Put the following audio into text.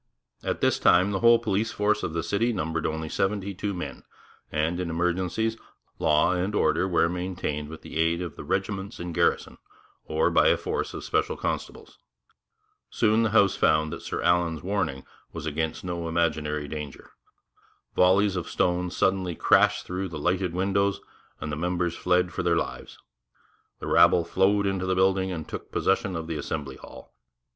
At this time the whole police force of the city numbered only seventy two men, and, in emergencies, law and order were maintained with the aid of the regiments in garrison, or by a force of special constables. Soon the House found that Sir Allan's warning was against no imaginary danger. Volleys of stones suddenly crashed through the lighted windows, and the members fled for their lives. The rabble flowed into the building and took possession of the Assembly hall.